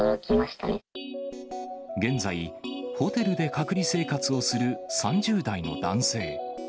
現在、ホテルで隔離生活をする３０代の男性。